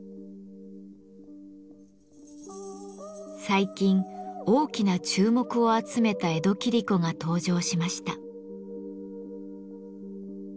最近大きな注目を集めた江戸切子が登場しました。